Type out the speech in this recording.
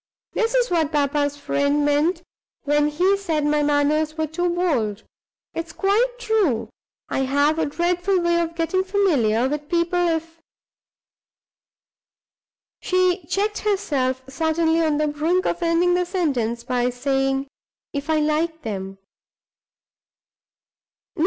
This is what papa's friend meant when he said my manners were too bold. It's quite true; I have a dreadful way of getting familiar with people, if " She checked herself suddenly, on the brink of ending the sentence by saying, "if I like them."